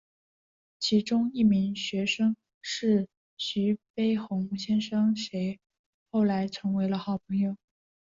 其中一名学生是徐悲鸿先生谁后来成了好朋友。